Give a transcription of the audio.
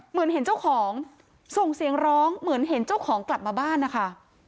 เห็นเจ้าของส่งเสียงร้องเหมือนเห็นเจ้าของกลับมาบ้านนะคะ